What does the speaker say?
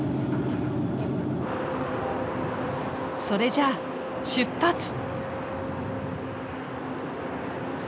それじゃあ出発！